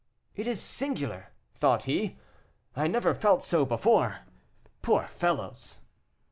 "It is singular," thought he. "I never felt so before poor fellows."